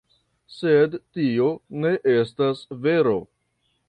Sed tio ne estas vero.